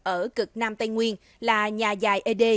ở cực nam tây nguyên là nhà dài ed